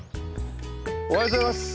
おはようございます。